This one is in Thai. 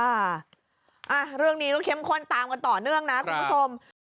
อ่าเรื่องนี้ก็เข้มข้นตามกันต่อเนื่องนะคุณผู้ชม